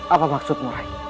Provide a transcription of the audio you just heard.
apa maksudmu rai